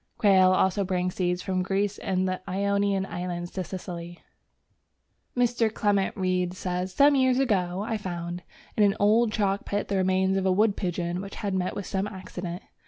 Quail also bring seeds from Greece and the Ionian Islands to Sicily. Mr. Clement Reid says: "Some years ago I found ... in an old chalk pit the remains of a wood pigeon which had met with some accident.